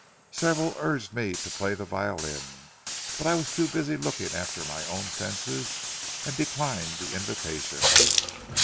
Several urged me to play the violin; but I was too busy looking after my own fences, and declined the invitation.